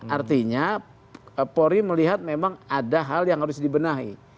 artinya polri melihat memang ada hal yang harus dibenahi